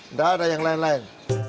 nggak ada yang lain lain